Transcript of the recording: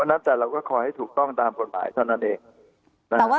นั้นแต่เราก็ขอให้ถูกต้องตามกฎหมายเท่านั้นเองนะฮะ